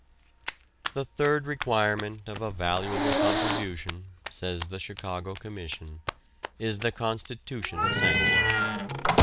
The third requirement of a valuable contribution, says the Chicago Commission, is the constitutional sanction.